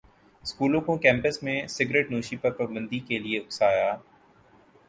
سکولوں کو کیمپس میں سگرٹنوشی پر پابندی کے لیے اکسایا